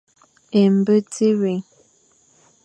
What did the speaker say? É be dia wé,